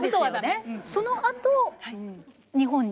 そのあと日本に？